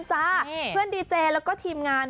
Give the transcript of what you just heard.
เพื่อนดีเจและทีมงาน